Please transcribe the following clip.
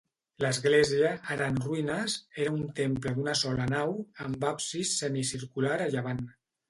L'església, ara en ruïnes, era un temple d'una sola nau, amb absis semicircular a llevant.